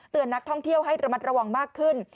นักท่องเที่ยวให้ระมัดระวังมากขึ้น